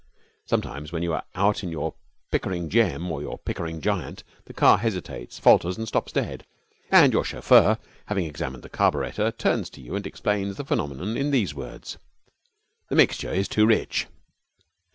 Sometimes when you are out in your Pickering Gem or your Pickering Giant the car hesitates, falters, and stops dead, and your chauffeur, having examined the carburettor, turns to you and explains the phenomenon in these words: 'The mixture is too rich.'